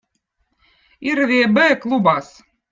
irvi eb õõ klubaz